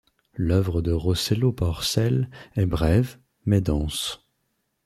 L'œuvre de Rosselló-Pòrcel est brève, mais dense.